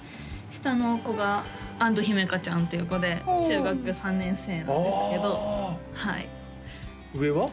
下の子が安土姫華ちゃんっていう子で中学３年生なんですけどはいああ上は？